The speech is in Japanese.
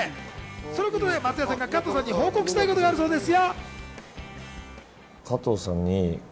そのことで松也さんが加藤さんに報告したいことがあるそうですよ。